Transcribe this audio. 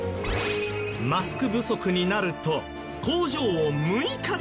マスク不足になると工場を６日で完成。